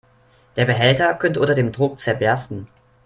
Der Behälter könnte unter dem Druck zerbersten.